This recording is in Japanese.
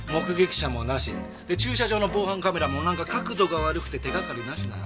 駐車場の防犯カメラもなんか角度が悪くて手掛かりなしだよ。